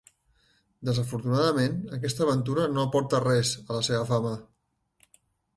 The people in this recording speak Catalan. Desafortunadament, aquesta aventura no aporta res a la seva fama.